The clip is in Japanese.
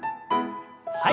はい。